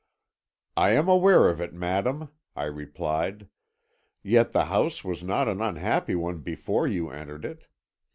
"'I am aware of it, madam,' I replied; 'yet the house was not an unhappy one before you entered it.